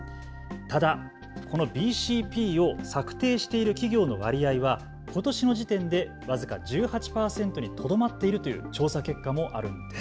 ただ、このＢＣＰを策定している企業の割合はことしの時点で僅か１８％にとどまっているという調査結果もあるんです。